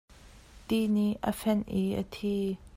Ti nih a fenh i a thi.